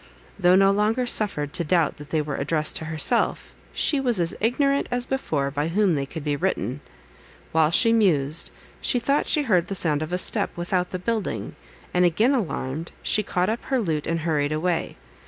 Though no longer suffered to doubt that they were addressed to herself, she was as ignorant, as before, by whom they could be written. While she mused, she thought she heard the sound of a step without the building, and again alarmed, she caught up her lute, and hurried away.